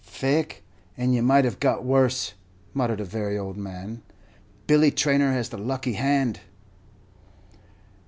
"Faix, and ye might have got worse," muttered a very old man; "Billy Traynor has the lucky hand.'"